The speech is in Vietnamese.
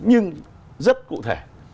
nhưng rất cụ thể